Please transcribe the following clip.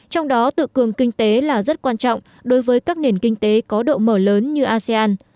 trong đó tự cường kinh tế là rất quan trọng đối với các nền kinh tế có độ mở lớn như asean